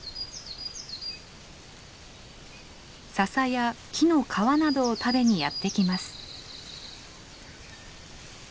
ササや木の皮などを食べにやって来ます。